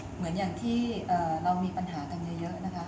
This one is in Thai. เหมือนอย่างที่เรามีปัญหากันเยอะนะคะ